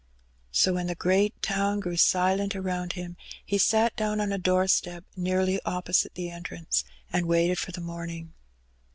So when the great town grew silent around him, he sat down on a doorstep nearly opposite the entrance, and waited for the morning.